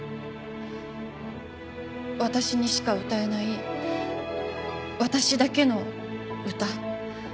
私にしか歌えない私だけの歌。